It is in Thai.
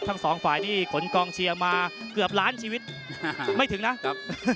ทั้งสองฝ่ายนี่ขนกองเชียร์มาเกือบล้านชีวิตไม่ถึงนะครับ